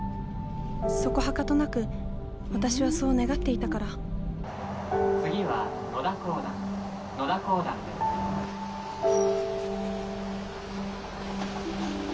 そこはかとなく私はそう願っていたから「次は野田公団野田公団です」。